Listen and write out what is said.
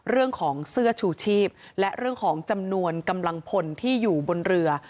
เรื่องของเสื้อชูชีพและเรื่องของจำนวนกำลังพลที่อยู่บนเรือ